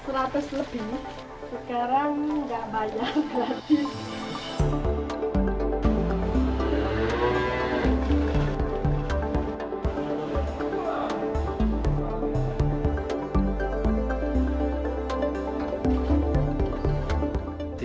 seratus lebih sekarang nggak bayar gratis